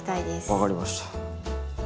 分かりました。